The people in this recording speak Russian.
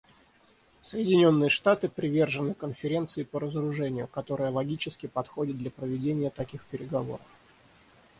Соединенные Штаты привержены Конференции по разоружению, которая логически подходит для проведения таких переговоров.